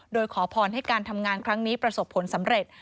โดยขอพรให้การทำงานครั้งนี้ประสบผลสำเร็จ